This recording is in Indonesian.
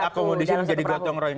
diakomodasi menjadi gotong royong